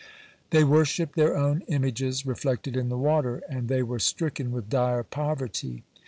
(93) They worshipped their own images reflected in the water, (94) and they were stricken with dire poverty.